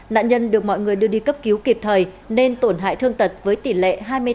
nạn nhân được mọi người đưa đi cấp cứu kịp thời nên tổn hại thương tật với tỷ lệ hai mươi tám